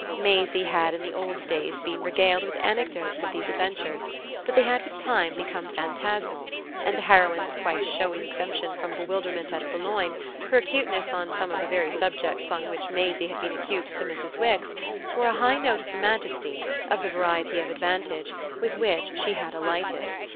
Maisie had in the old days been regaled with anecdotes of these adventures, but they had with time become phantasmal, and the heroine's quite showy exemption from bewilderment at Boulogne, her acuteness on some of the very subjects on which Maisie had been acute to Mrs. Wix, were a high note of the majesty, of the variety of advantage, with which she had alighted.